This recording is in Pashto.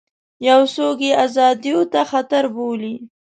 یو څوک یې ازادیو ته خطر بولي.